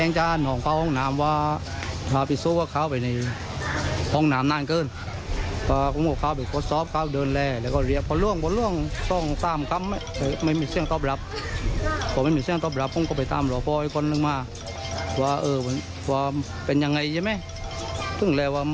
เอาฟังเสียงของรอปภหน่อยค่ะ